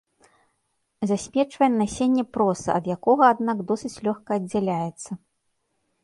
Засмечвае насенне проса, ад якога, аднак досыць лёгка аддзяляецца.